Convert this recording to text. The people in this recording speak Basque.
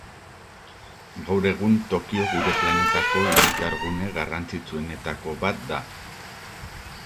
Gaur egun, Tokio gure planetako hiritar gune garrantzitsuenetako bat da.